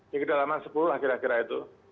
di kedalaman sepuluh lah kira kira itu